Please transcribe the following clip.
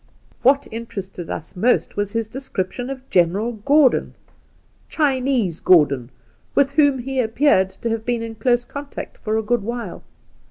What interested us most was his description of General Gordon — "Chinese Gordon" — with whom he appeared to have been in close contact for a gpod while.